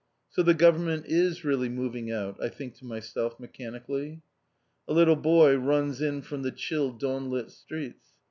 "So the Government is really moving out," I think to myself mechanically. A little boy runs in from the chill dawn lit streets.